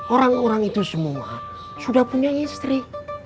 orang orang itu semua sudah punya istri